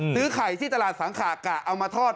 ซื้อไข่ที่ตลาดสังขะกะเอามาทอด